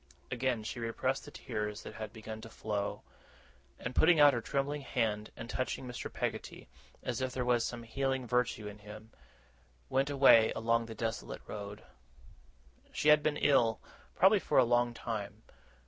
Again she repressed the tears that had begun to flow; and, putting out her trembling hand, and touching Mr. Peggotty, as if there was some healing virtue in him, went away along the desolate road. She had been ill, probably for a long time.